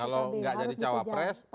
kalau nggak jadi cawapres